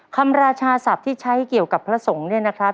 ราชาศัพท์ที่ใช้เกี่ยวกับพระสงฆ์เนี่ยนะครับ